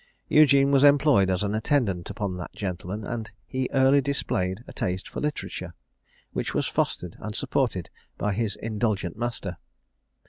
Eugene was employed as an attendant upon that gentleman, and he early displayed a taste for literature, which was fostered and supported by his indulgent master.